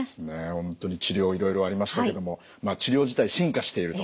本当に治療いろいろありましたけども治療自体進化していると。